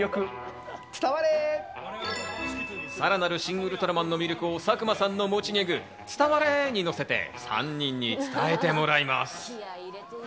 さらなる『シン・ウルトラマン』の魅力を佐久間さんの持ちギャグ、つたわれにのせて３人に伝えてもらいます。